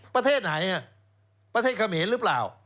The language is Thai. ประเทศไหนประเทศเขมรหรือเปล่า